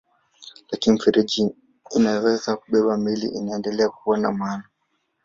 Lakini mifereji inayoweza kubeba meli inaendelea kuwa na maana.